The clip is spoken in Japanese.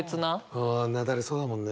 ああ雪崩そうだもんね。